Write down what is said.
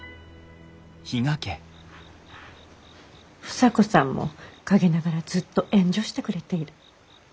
房子さんも陰ながらずっと援助してくれている。